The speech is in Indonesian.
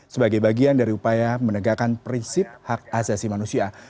sebagai bagian dari upaya menegakkan prinsip hak asasi manusia